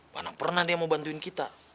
mana pernah dia mau bantuin kita